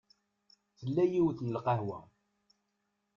Tella yiwet n lqahwa.